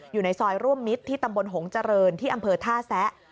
อยู่ในซอยร่วมมิตรที่ตำบลหงเจริญที่อำเภอท่าแซะ